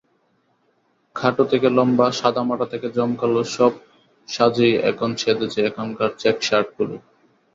খাটো থেকে লম্বা, সাদামাটা থেকে জমকালো—সব সাজেই এখন সেজেছে এখনকার চেক শার্টগুলো।